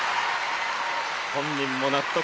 本人も納得。